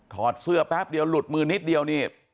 อดเสื้อแป๊บเดียวหลุดมือนิดเดียวนี่